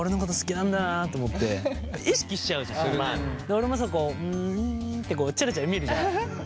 俺もさこうん？ってチラチラ見るじゃん。